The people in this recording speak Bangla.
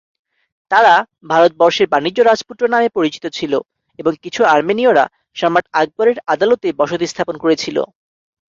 তারা "ভারতবর্ষের বাণিজ্য রাজপুত্র" নামে পরিচিত ছিল, এবং কিছু আর্মেনীয়রা সম্রাট আকবরের আদালতে বসতি স্থাপন করেছিল।